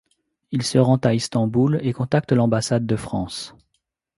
Il se rend à Istanbul et contacte l'ambassade de France.